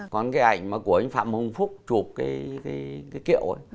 còn cái ảnh mà của anh phạm hồng phúc chụp cái kiệu ấy